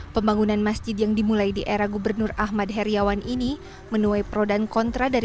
pembangunan masjid yang dimulai di era gubernur ahmad heriawan ini menuai pro dan kontra dari